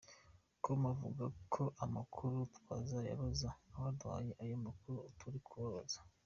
com avuga ko amakuru twazayabaza abaduhaye ayo makuru turi kubabaza.